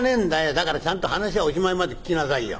だからちゃんと話はおしまいまで聞きなさいよ。